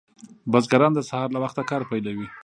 بزګران د سهار له وخته کار پیلوي.